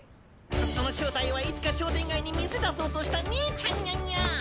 その正体はいつか商店街に店出そうとした姉ちゃんニャな。